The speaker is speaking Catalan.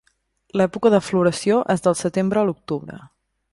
L'època de floració és del Setembre a l'Octubre.